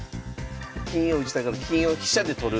金を打ちだから金を飛車で取る。